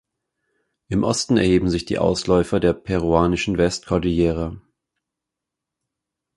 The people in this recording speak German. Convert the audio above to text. Im Osten erheben sich die Ausläufer der peruanischen Westkordillere.